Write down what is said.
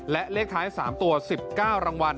และเลขท้าย๓ตัว๑๙รางวัล